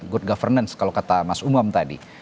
good governance kalau kata mas umam tadi